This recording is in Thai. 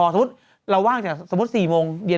สมมุติเราว่างจากสี่โมงเย็น